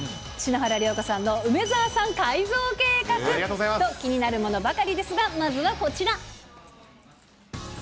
篠原涼子さんの梅澤さん改造計画。と気になるものばかりですが、まずはこちら。